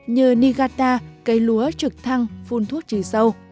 như niigata cây lúa trực thăng phun thuốc trì sâu